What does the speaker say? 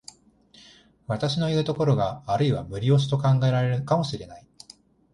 私のいう所があるいは無理押しと考えられるかも知れない。